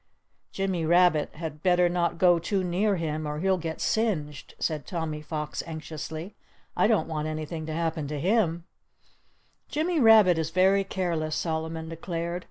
"Jimmy Rabbit had better not go too near him, or he'll get singed," said Tommy Fox, anxiously. "I don't want anything to happen to him." "Jimmy Rabbit is very careless," Solomon declared.